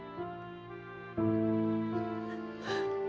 kaka akan buktikan semuanya li